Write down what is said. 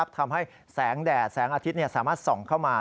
ทำให้แสงแดดแสงอาทิตย์สามารถส่องเข้ามา